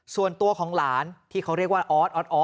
ส่วนตัวของหลานที่เขาเรียกว่าอ๊อตอ๊อตอ๊อตเนี่ยนะฮะ